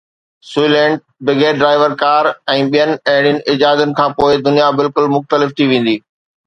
سوئي لينٽ، بغير driver car ۽ ٻين اهڙين ايجادن کانپوءِ دنيا بلڪل مختلف ٿي ويندي.